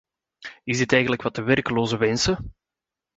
Is dit eigenlijk wat de werklozen wensen?